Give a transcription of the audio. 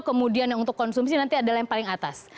kemudian yang untuk konsumsi nanti adalah yang paling atas